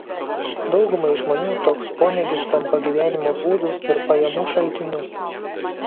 Daugumai žmonių toks pomėgis tampa gyvenimo būdu ir pajamų šaltiniu.